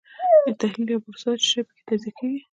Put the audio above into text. تحلیل یوه پروسه ده چې شی پکې تجزیه کیږي.